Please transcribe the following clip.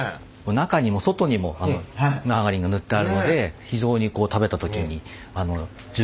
中にも外にもマーガリンが塗ってあるので非常にこう食べた時に充実感があるパンですね。